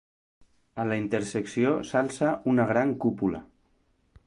A la intersecció s'alça una gran cúpula.